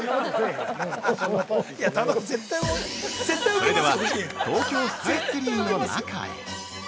◆それでは、東京スカイツリーの中へ。